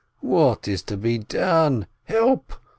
. "What is to be done? Help